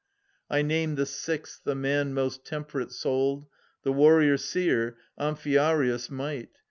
I name the sixth, a man most temperate souled, The warrior seer, Amphiaraus' might.